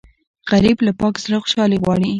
غریب له پاک زړه خوشالي غواړي